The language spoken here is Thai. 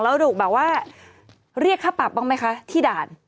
แล้วถูกแบบว่าเรียกค่าปรับบ้างไหมคะที่ด่าน